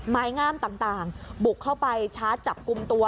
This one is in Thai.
ไม้งามต่างบุกเข้าไปชาร์จจับกลุ่มตัว